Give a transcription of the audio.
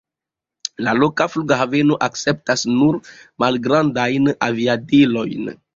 La loka flughaveno akceptas nur malgrandajn aviadilojn.